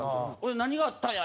「何があったんや？」